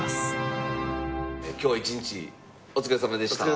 今日一日お疲れさまでした。